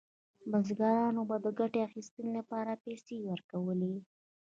بزګرانو به د ګټې اخیستنې لپاره پیسې ورکولې.